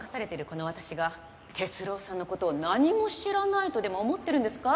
この私が哲郎さんの事を何も知らないとでも思ってるんですか？